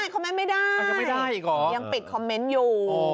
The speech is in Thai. คอมเมนต์ไม่ได้ยังปิดคอมเมนต์อยู่